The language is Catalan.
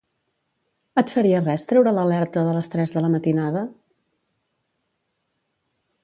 Et faria res treure l'alerta de les tres de la matinada?